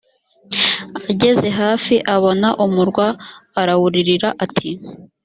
ageze hafi abona umurwa arawuririra ati